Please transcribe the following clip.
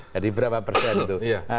jadi berapa persen itu